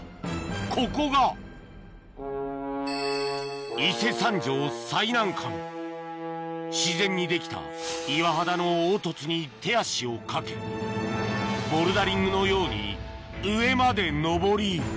ここが伊勢山上最難関自然にできた岩肌の凹凸に手足を掛けボルダリングのように上まで登り